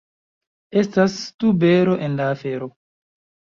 Estas tubero en la afero.